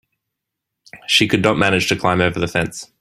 She could not manage to climb over the fence.